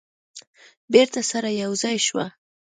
بیرته سره یو ځای شوه.